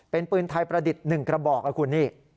เป็นปืนไทยประดิษฐ์๑กระบอกนะคุณนี่